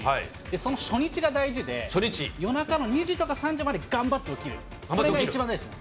その初日が大事で、夜中の２時とか３時まで頑張って起きる、これが一番大事です。